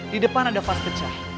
di depan ada fas pecah